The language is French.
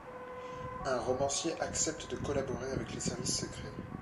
Un romancier accepte de collaborer avec les services secrets.